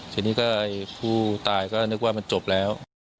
ทีนี้ก็ผู้ตายก็นึกว่ามันจบแล้ว